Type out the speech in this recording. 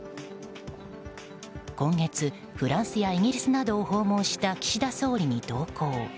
今月、フランスやイギリスなどを訪問した岸田総理に同行。